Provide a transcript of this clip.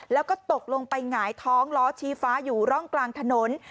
แล้วก็ตกลงไปหงายท้องล้อชี้ฟ้าอยู่ร่องกลางถนน